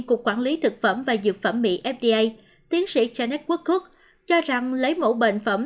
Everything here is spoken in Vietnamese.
cục quản lý thực phẩm và dược phẩm mỹ fda tiến sĩ chanet wokood cho rằng lấy mẫu bệnh phẩm